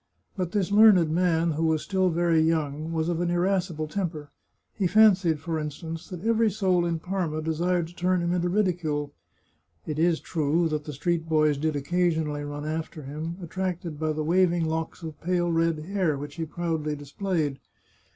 But this learned man, who was still very young, was of an irascible temper. He fancied, for instance, that every soul in Parma desired to turn him into ridicule. It is true that the street boys did occasionally run after him, attracted by the waving locks of pale red hair which he proudly displayed.